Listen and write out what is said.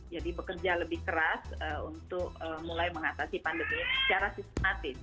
bekerja lebih keras untuk mulai mengatasi pandemi secara sistematis